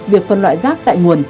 việc phân loại rác tại nguồn